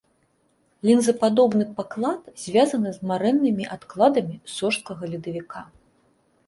Лінзападобны паклад звязаны з марэннымі адкладамі сожскага ледавіка.